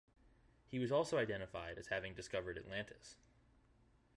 He was also identified as having discovered Atlantis.